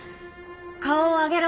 顔を上げろ！